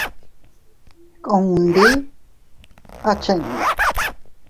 Ku ndi a chinnu.